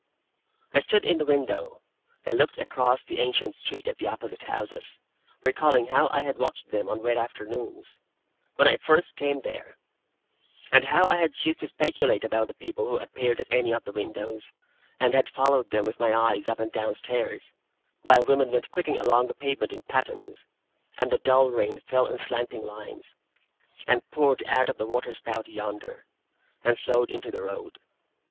I stood in a window, and looked across the ancient street at the opposite houses, recalling how I had watched them on wet afternoons, when I first came there; and how I had used to speculate about the people who appeared at any of the windows, and had followed them with my eyes up and down stairs, while women went clicking along the pavement in pattens, and the dull rain fell in slanting lines, and poured out of the water spout yonder, and flowed into the road.